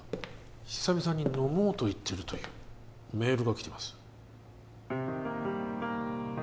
「久々に飲もうと言ってる」というメールが来てます